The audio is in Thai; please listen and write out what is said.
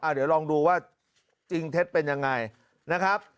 เดี๋ยวลองดูว่าจริงเท็จเป็นยังไงนะครับ